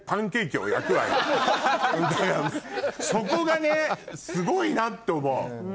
だからそこがねすごいなって思う。